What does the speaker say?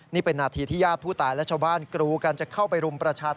นี่เป็นนาทีที่ญาติผู้ตายและชาวบ้านกรูกันจะเข้าไปรุมประชาธรรม